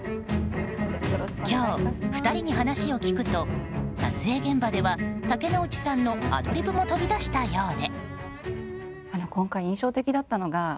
今日、２人に話を聞くと撮影現場では竹野内さんのアドリブも飛び出したようで。